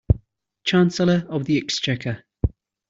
Chancellor of the Exchequer